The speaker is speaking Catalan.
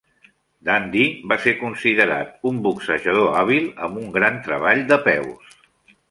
Dundee va ser considerat un boxejador hàbil amb un gran treball de peus.